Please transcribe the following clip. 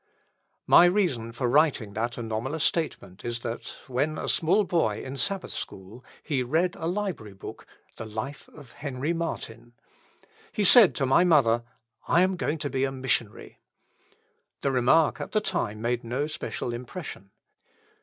My reason for writing that anomalous statement is that, when a small boy in Sabbath school, he read a library book, "The Life of Henry Martin." He said to my mother, "I am going to be a missionary." The remark at the time made no special impression.